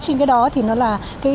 trên cái đó thì nó là